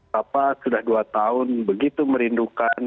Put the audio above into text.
saya pak sudah dua tahun begitu merindukan